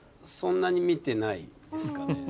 そんなに観てないですかね。